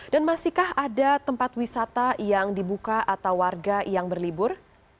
dan masihkah ada tempat wisata yang dibuka atau warga yang berlibur